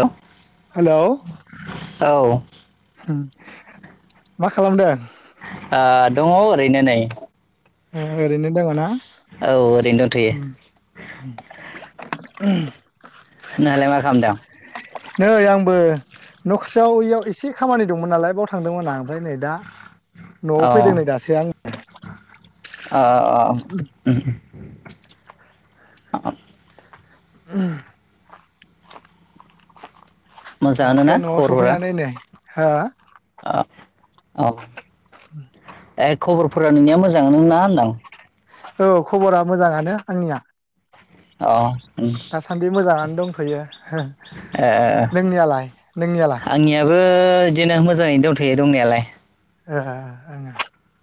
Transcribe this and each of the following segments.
औ हेलौ औ ओ मा खालामदों आ दङ ओरैनो नै ओरैनो दङ ना औ ओरैनो दंथ'यो [unintelligible] नोंहालाय मा खालामदों नै आंबो नखरसेयाव ओमफ्राय नै औ दा अ अ उम [unintelligible] [unintelligible] मोजांङानो दासो ना न'आव सफैनानै नै हो ओ औ [unintelligible] ए ख औ खबरा मोजाङानो आंनिया अ उम दासान्दि मोजाङानो दंथ'यो ए [unintelligible] आंनियाबो [unintelligible] [unintelligible]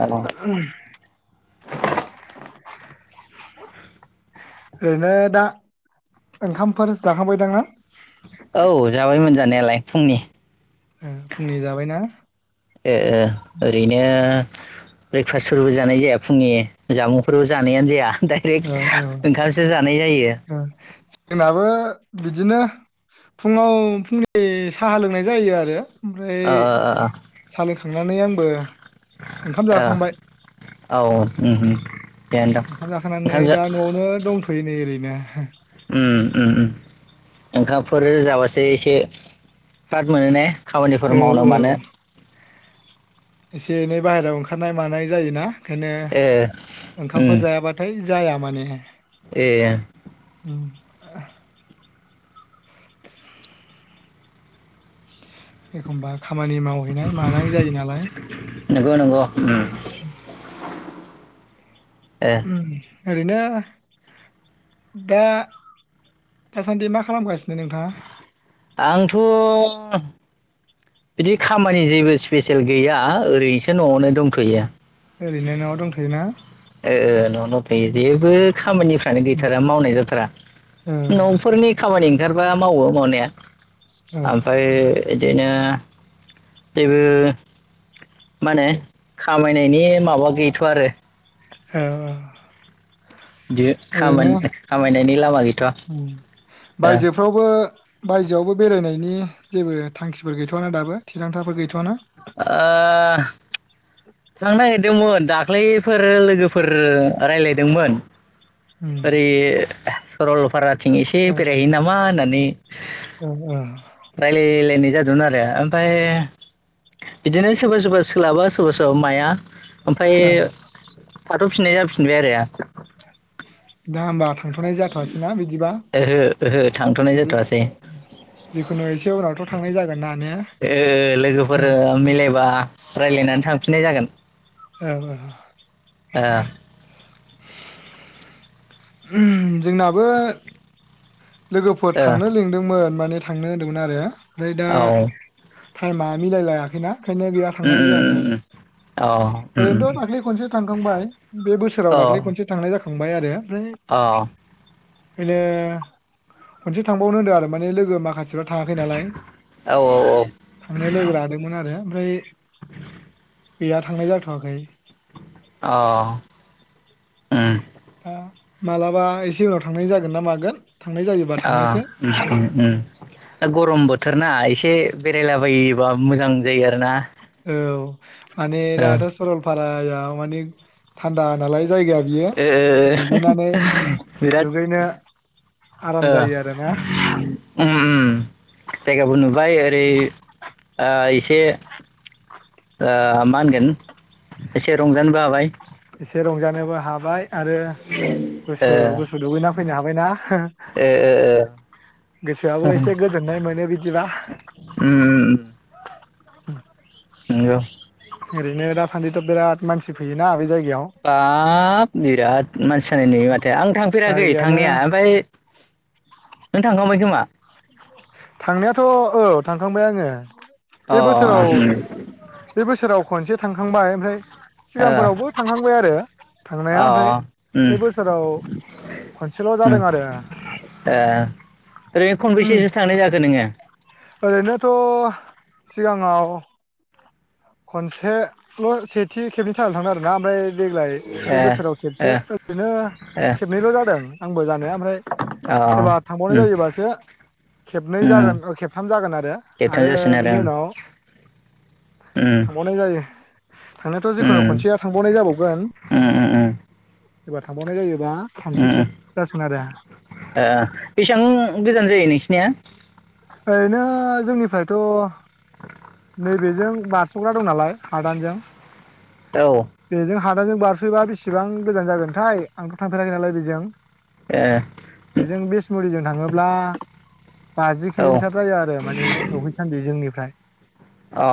औ [unintelligible] [unintelligible] औ जाबायमोन जानायालाय फुंनि फुंनि जाबायना ए ब्रेकफास्टफोरबो जानाय औ डाइरेक्ट औ ओंखामसो जानाय जायो ओ जोंनाबो बिदिनो फुङाव फुंनि साहा लोंनाय जायो आरो ओमफ्राय ओ ओ ओ सा लों खांनानै आंबो ओंखाम ओ जाखांबाय औ औ उम थिगानो दं ओंखाम जाखानानै ओंखाम जा दा न'आवनो दंथ'यो नै ओरैनो [unintelligible] उम उम ओंखामफोर जाबासो एसे फ्राद मोनो ने खामानिफोर औ मावनो औ मानो एसे एनै बाहेरायाव ओंखारनाय मानाय जायोना बेखायनो ए ओंखामफोर उम जायाबाथाय जाया माने ए ओम एखमबा खामानि मावहैनाय मानाय जायो नालाय बेबो नंगौ उ ए ओम ओरैनो दा दासानदि मा खालामगासिनो नोंथाङा आंथ' बा बिदि खामानि जेबो स्पेसियेल गैया ओरैनोसो न'आवनो दंथ'यो ओरैनो न'आव दंथ'योना ए न' न' थायो जेबो खामानिफ्रानो गैथारा मावनाय जाथारा औ न'फोरनि खा खामानि ओंखारबा मावो मावनाया औ ओमफ्राय बिदिनो जेबो मा होनो खामायनायनि माबा गैथ' आरो औ औ बिदि खामाय खामायनायनि लामा गैथ' ओ बायजोयावबो बेरायनायनि जेबो थांखिफोर गैथ'वाना दाबो थिरांथाफोर गैथ'वाना ओ थां नागिरदोंमोन दाख्लैफोर लोगोफोर रायज्लायदोंमोन उम एरै लसरलफारा थिं इसे बेरायहैनो नामा होननानै नि अ ओ जादोंमोन आरो ओमफ्राय बिदिनो सोरबा सोरबा सोलाबा सोरबा सो माया ओमफफ्राय ओ थाथ'फिननाय जाफिन- फिनबाय आरो दा होमबा थांथ'नाय जाथ'वासै ना बिदिबा ओहो ओहो थांथ'नाय जाथ'वासै जिखुनु एसे उनावथ' थांनाय जागोन ना ने ओ लोगोफोर ओम मिलायबा रायलायनानै थां थांफिननाय जागोन औ आ जोंनाबो लोगोफोर ओ थांनो लिंदोंमोन माने थांनो होनदोंमोन आरो ओमफ्राय दा ओ औ टाइमा मिलाय लायाखैना ओंखायनो गैया थांनाय जायाखै ओरैनोथ' दाखालै खनसे थांखांबाय बे बोसोराव दाखालै खनसे थांनाय थांबाय आरो अ बेले [inaudible] खनसे थांबावनो होदों आरो माने लोगो माखासे थाङाखै नालाय औ औ थांनो लोगो लादोंमोन आरो ओमफ्राय गैया थांनाय जाथ'वाखै अ उम दा मालाबा एसे उनाव थांनाय जागोन ना मागोन थांनाय जायोबा अ थांनोसै दा [inaudible] गरम बोथोर ना एसे बेरायलाबायोबा मोजां जायो आरो ना औ माने दाथ' सरलपारायाव मानि थानदा नालाय जायगाया बियो ओ ओ दुगैनानै बिराद दुगैनो आराम ओ जायो आरोना उम उम जायगाबो नुहैबाय ओरै ओ एसे ओ मा होनगोन एसे रंजानोबो हाबाय एसे रंजानोबो हाब बाय आरो ओ गुसु गुसु दुगैना फैनो हाबायना ओ ओ गोसोआबो एसे गोजोननाय मोनो बिदिबा उम उम उम नंगौ ओरैनो दासान्दिथ' बिराद मानसि फैयोना बे जायगा बाप बिराद मानसि जानाय नुयो मा आं थांफेराखै जायगायानो थांनाया ओमफ्राय नों थांखांबाय खोमा थांनायाथ' ओ थांखांबाय आङो अ उम बे बोसोराव बे बोसोराव खनसे थांखांबाय ओमफ्राय ओ अ सिगांफोरावबो थांहांबाय आरो थांनाया ओमफ्राय उम बे बोसोराव खनसेल' उम जादों ओ आरो। बैसो थानाय जाखो नोंङो? ओरै नोथ' सिगांङाव खनसेल' सेथि खेबनि थाखायल थांदों आरोना ओमफ्राय देग्लाय ओ ओ बे बोसोराव खेबसे ओरैनो खेबनैल' जादों आंबो जानाया ओमफ्राय ओ अ एबा थांबावनाय जायोबासो खेबनै उम जागोन ओ खेबथाम जागोन आरो खेबथाम आरो जासिगोन बेनि उम उनाव थांबावनाय जायो। [unintelligible] थांनायाथ' जिखुनु उम खनसेया थांबावनाय जाबावगोन उम उम उम एबार थांबावनाय जायोबा उम थामथि खेब ओ जासिगोन आरो बेसेबां गोजान जायो नोंसिनिया ओरैनो जोंनिफ्रायथ' नैबेजों बारस'ग्रा दं नालाय हादानजों औ ओ बेजों हादाजों बारसयोबा बेसेबां गोजान जागोनथाय आंथ' थां फेराखै नालाय बेजों बेजों बिसमुरिजों थांङोब्ला बाजि औ किल'मिटार जायो आरो माने सौहैसान्दि जोंनिफ्राय अ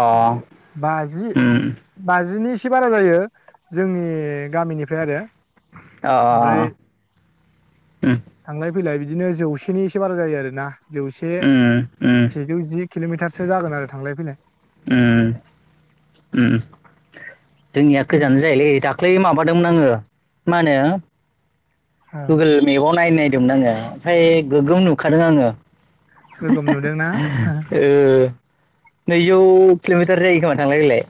बाजि ओम बाजिनि एसे बारा जायो जोंनि गामिनिफ्राय आरो अ ओमफ्राय उम थांनाय फैलाय बिदिनो जौसेनि एसे बारा जायो आरोना जौसे उम उम सेजौ जि किल'मिटारसो जागोन आरो थांनाय फैनाय उम उम जोंनिया गोजा जायोलै दाख्लै माबादोंमोन आंङो। मा होनो औ गुगोल मेबाव नायनाय [unintelligible] ओमफ्राय गोगोम नुखादों आंङो गोगोम नुदोंना [unintelligible] ओ नैजौ किल'मिटार जायो खोमा थांलाय फैलाय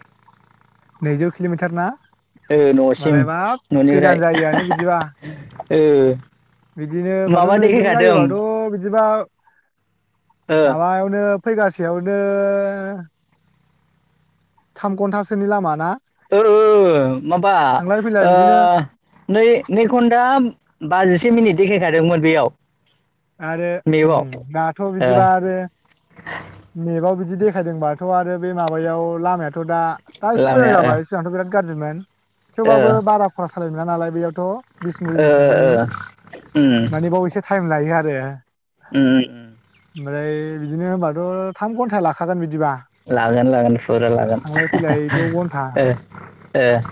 नैजौ किल'मिटार ना? ओ न'सिम होमबालाय बाब गोजान न'निफ्राय जायोआनो बिदिबा [unintelligible] ओ बिदिनो माथो माबा नैजों देखायखादों जायोबाथ' बिदिबा ओ माबायावनो फैगासेयावनो थाम घन्टासोनि लामाना [unintelligible] ओ माबा फैलाय ओ बिदिनो नै नै घन्टा बाजिसे मिनिट देखायखादोंमोन बेयाव आरो ओम मेपाव दाथ' ओ बिदिबा आरो मेपाव बिदि बिदि देखायदोंबाथ' आरो बे माबायाव लामाया थ'दा दा एसे मोजां लामाया जाबाय ओ सिगांथ' बिराद गारजिमोन थेवबाबो बारा खरस [unintelligible] बेयाव ओ थ'बिसमुरिनिफ्राय माने ओ माने बाव एसे [unintelligible] [unintelligible] [unintelligible] ओम ओम ओमफ्राय बिदिनो होनबाथ' थाम घन्टा लाखागोन बिदि लागोन लागोन फुरा लागोन थांलाय फैलाय द' घन्टा [unintelligible] ओ ओ [unintelligible]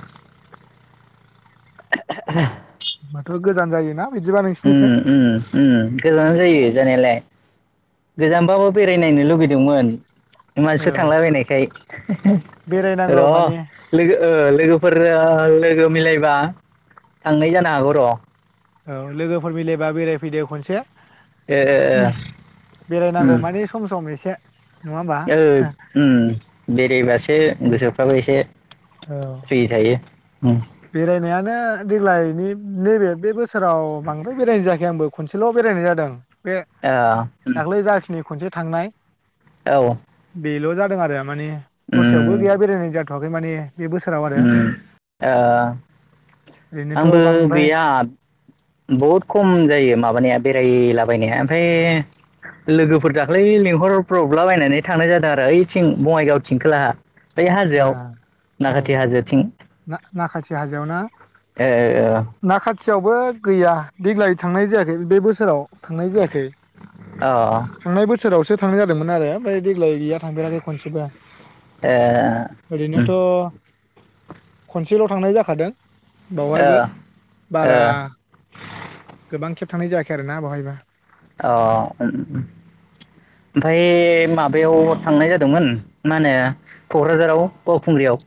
होनमबाथ' गोजान जायोना बिदिबा नोंसिनिफ्राय ओम ओम ओम गोजानानो जायो जानायालाय गोजानबाबो बेरायनायनो लुगैदोंमोन । मानसिफोर औ थांलाबायनायखाय [unintelligible] र' बेरायनांगौ लोगो माने ओ लोगोफोरजो लोगो मिलायबा थांनाय जानो हागौ र' औ लोगोफोर मिलायबा बेरायफैदो खनसे ओम बेरायनांगौ माने सम सम एसे नङा होमबा औ ओम बेरायबासो गोसोफ्राबो एसे औ फ्रि थायो उम बेरायनायानो देग्लाय नैबे बे बोसोराव बांद्राय बेरायनाय जायाखै आंबो खनसेल' बेरायनाय जादों । बे ओ उम दाख्लै जाखिनि खनसे थांनाय औ बेल' जादों आरो माने दसेयावबो उम गैया बेरायनाय जाथ थाबै माने बे बोसोराव आरो उम ओ ओरैनोथ' आंबो बांद्राय गैया बहुद खम जायो माबानाया बेरायला बायनाया ओमफ्राय लोगोफोर दाख्लै लेंंहरब्रबला बायनानै थांनाय जादों आरो ओइथिं बङाइगाव थिं खोलाहा बेै ओ हाजोआव औ नाखाथि औ हाजोथिं नाखाथि हाजोआव ना नाखाथि खाथियावबो गैया देग्लाय थांनाय जायाखै बे बोसोराव थांनाय जायाखै ओ अ थांनाय बोसोराव सो थांनाय जादोंमोन आरो ओमफ्राय देग्लाय गैया थांफेराखै खनसेबो ए उम ओरैनोथ' खनसेल' थांनाय जाखादों ओ बावहायबो अ बारा गोबां खेब थांनाय जायाखै आरोना बहायबो अ ओमफ्राय माबायाव थांनाय जादोंमोन मा होनो क'क्राझाराव बावखुंग्रियाव?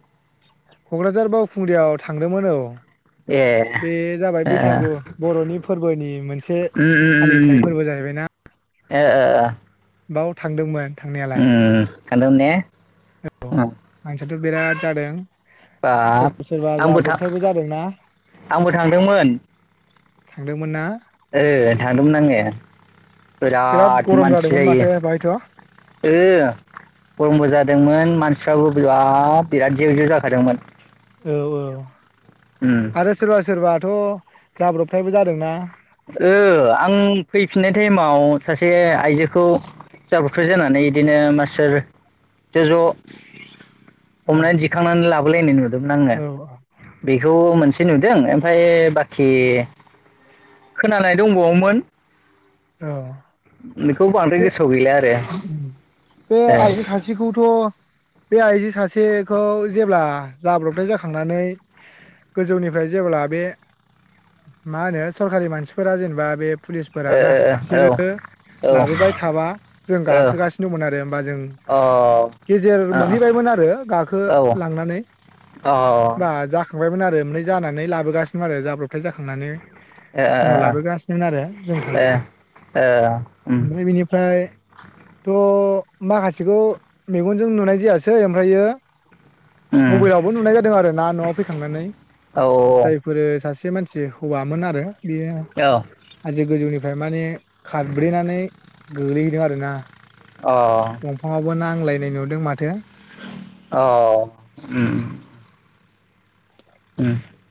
क'क्राझार बावखुंग्रियाव थांदोंमोन औ ए ओ बे जाबाय बैसागु बर'नि फोरबोनि मोनसे उम फालिथाय फोरबो जाहैबाय ना ओ ओ बाव थांदोंमोन। थांनायालाय थांनदोंमोन ने औ मानसियाथ' बिराद जादों बाब सोरबा सोरबा आंबो थां जाब्रबथायबो जादोंना आंबो थांदोंमोन थांदोंमोन ना ओ थांदोंमोन आङो बिराद गरम मानसि जादोंमोन जायो माथो बाहायथ' ओ गरमबो जादोंमोन मानसि मानसिफ्राबो बिराद जेव जेव जाखादोंमोन औ औ उम आरो सोरबा सोरबा थ' जाब्रबथायबो जादोंना ओ आं फैफिननाय टाइमाव सासे आइजोखौ जाब्रबथाय जानानै बिदिनो मानसिफोर ज' ज' हमनानै औ दिखांनानै लाबोलायनाय नुदोंमोन आङो औ बेखौ मोनसे ए नुदों ओमफ्राय बाखि खोनानाय दंबावोमोन औ बेखौ बांद्राय बे गोसोआव गैला आरो बे आइजो सासेखौथ' बे आइजो सासेखौ जेब्ला जाब्रबथाय जाखांनानै गोजौनिफ्राय जेब्ला बे मा होनो सरखारि मानसिफोरा जेनेबा बे पुलिसफोराना ओ बिसोरो ओ लाबोबाय थाबा जों औ गाखोगासिनो दंमोन आरो होमबा जों औ औ गेजेर अ मोनहैबायमोन आरो गाखो ओ औ लांनानै होमबा जाखांबाय आरो ओमफ्राय जानानै लाबोगासिनो आरो जाब्रबथाय जाखांनानै उनाव लाबोगासिनोमोन आरो जों थांबा मफ्राय बिनिफ्राय थ अ माखासेखौ मेगनजों नुनाय जायासै ओमफ्रायो मबाइलावबो नुनाय जादों आरो ना नआव फैखांनानै जायफोरो सासे से मानसि हौवामोन आरो बेयो आजि गोजौनि ओमफ्राय माने खारब्रेनानै गोलैदों आरोना दंफाङावबो नांलाय होननाय नुदों माथो औ उम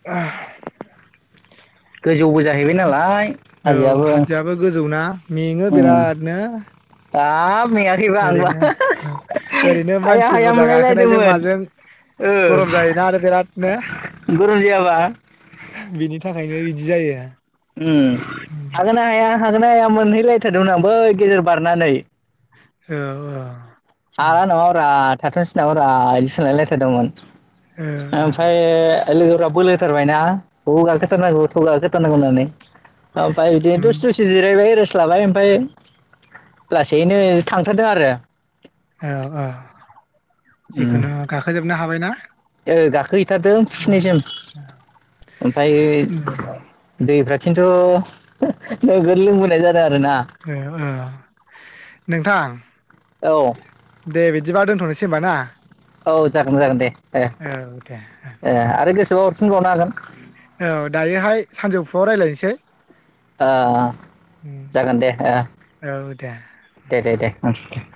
आ गोजौ औ हाजोआबो गोजौना मेङो बिरादनो आ ओरैनो ओरैनो हाया मानसि हाया बुरजा गाखोनायजों मोनलायलायदोंमोन माजों ओ गरम जायोना आरो बिरादनो गरम जायाबा बिनि थाखायनो बिदि जायो उम हागोन ना हाया हागोन ना हाया मोनहैलायथारदोंमोन आं बै गेजेर बारनानै औ औ हाला नामा ब्रा थाथ‌ निसै नामा बा बिदि सानलायलायथारदोंमोन ओ ओमफ्रायो ए लोगोफोरा बोलायथारबायना थु गाखो थारनांगौ थारनांगौ होननानै आ फाय इदि ओ दसे दसे जिरायबाय फ्लाबाय ओमफ्राय लासैनो थांथारदों आरो औ औ जिखुनु गाखोजोबनो हाबायना ए गाखोहैथारदों उम खिनिसिम ओमफाय उम बे [unintelligible] खिनथु नोगोर लोंबोनाय जा औ औ नोंथां औ दे बिदि बा दोनथनो सै होनबा ना। औ जागोन जागोन दे ए औ दे ए आरो गोसोबा अर फैबावनो हागोन। औ दायोहाय सानजौफुआव रायलायनसै। आ जागोन आ औ दे दे दे दे उम उम